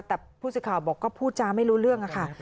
แต่ผู้สื่อข่าวบอกก็พูดจาไม่รู้เรื่องค่ะ